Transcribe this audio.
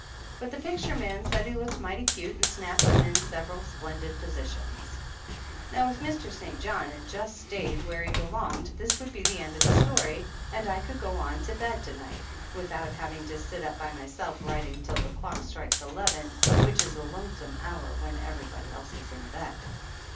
But the picture man said he looked mighty cute and snapped him in several splendid positions. Now, if Mr. St. John had just stayed where 190 THE ANNALS OF ANN he belonged this would be the end of the story and I could go on to bed to night, without hav ing to sit up by myself writing till the clocks strike eleven, which is a lonesome hour when everybody else is in bed.